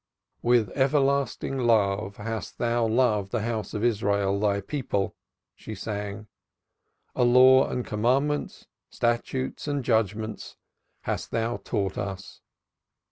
"With everlasting love hast Thou loved the house of Israel, Thy people," she sang: "a Law and commandments, statutes and judgments hast thou taught us.